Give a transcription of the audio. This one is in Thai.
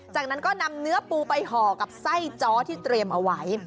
จากนั้นก็นำเนื้อปูไปห่อกับไส้จ้อที่เตรียมเอาไว้